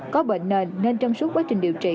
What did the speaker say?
có bệnh nền nên trong suốt quá trình điều trị